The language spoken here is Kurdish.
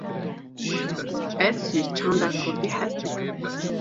Ez ji çanda kurdî hez dikim.